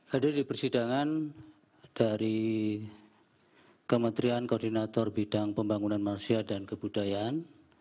hadir di persidangan dari kementerian koordinator bidang pembangunan manusia dan kebudayaan